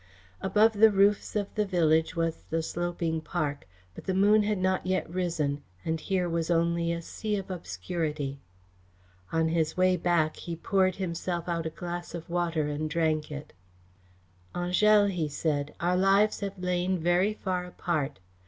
Above the roofs of the village was the sloping park, but the moon had not yet risen and here was only a sea of obscurity. On his way back he poured himself out a glass of water and drank it. "Angèle," he said, "our lives have lain very far apart.